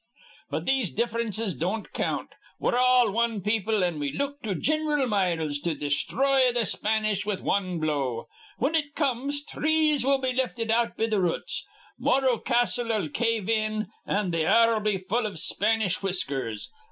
But these diff'rences don't count. We're all wan people, an' we look to Gin'ral Miles to desthroy th' Spanish with wan blow. Whin it comes, trees will be lifted out be th' roots. Morro Castle'll cave in, an' th' air'll be full iv Spanish whiskers.